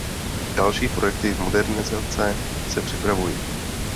Další projekty modernizace se připravují.